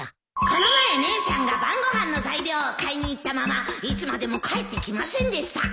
この前姉さんが晩ご飯の材料を買いに行ったままいつまでも帰ってきませんでした